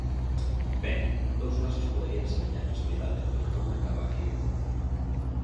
Ben, dous casos poderían semellar casualidade pero non acaba aquí o conto.